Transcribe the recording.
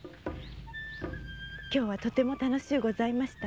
今日はとても楽しゅうございました。